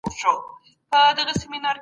کلتوري او فرهنګي ارزښتونه خوندي وساتئ.